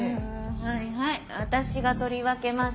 はいはい私が取り分けます。